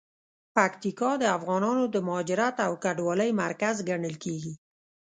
پکتیکا د افغانانو د مهاجرت او کډوالۍ مرکز ګڼل کیږي.